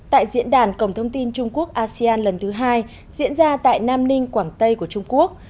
tại diễn đàn cổng thông tin trung quốc asean lần thứ hai diễn ra tại nam ninh quảng tây của trung quốc